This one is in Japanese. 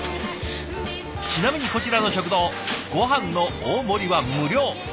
ちなみにこちらの食堂ごはんの大盛りは無料。